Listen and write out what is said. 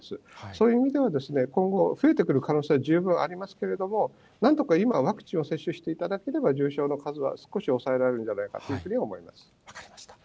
そういう意味では、今後増えてくる可能性は十分ありますけども、なんとか今、ワクチンを接種していただければ、重症の数は少し抑えられるんじゃ分かりました。